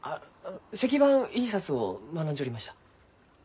石版印刷を学んじょりました。